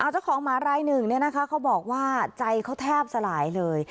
เจ้าของหมารายหนึ่งเขาบอกว่าใจเขาแทบสลายเลย